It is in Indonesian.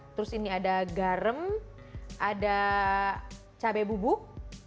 terus ini ada garam ada cabai bubuk